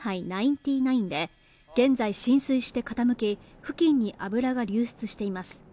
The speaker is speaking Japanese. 「ＸＩＮＨＡＩ９９」で現在浸水して傾き付近に油が流出しています